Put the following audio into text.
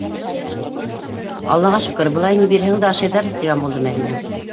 Аллаға шөкөр, былай, ни бирһәң дә ашайҙар, - тигән булды Мәҙинә.